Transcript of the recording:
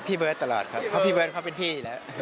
เบิร์ตตลอดครับเพราะพี่เบิร์ตเขาเป็นพี่อยู่แล้ว